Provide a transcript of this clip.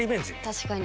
確かに。